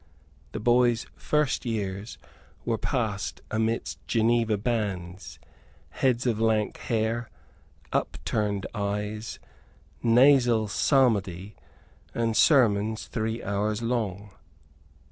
The boy's first years were past amidst Geneva bands, heads of lank hair, upturned eyes, nasal psalmody, and sermons three hours long.